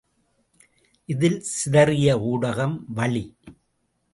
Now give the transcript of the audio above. இதில் சிதறிய ஊடகம் வளி.